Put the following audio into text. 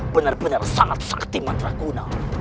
benar benar sangat sakti matrakuna